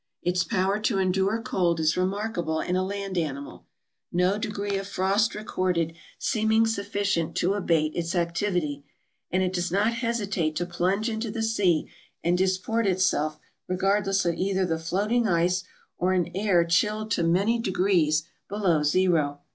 Its power to endure cold is remarkable in a land animal, no degree of frost recorded seeming sufficient to abate its activity; and it does not hesitate to plunge into the sea and disport itself regardless of either the floating ice or an air chilled to many degrees below zero.